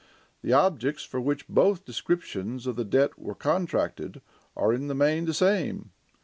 The objects for which both descriptions of the debt were contracted are in the main the same.